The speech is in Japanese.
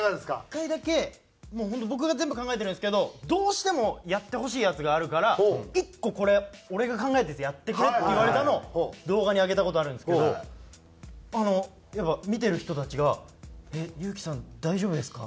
１回だけもう本当僕が全部考えてるんですけど「どうしてもやってほしいやつがあるから１個これ俺が考えたやつやってくれ」って言われたのを動画に上げた事あるんですけどあのやっぱ見てる人たちが「えっ有輝さん大丈夫ですか？」。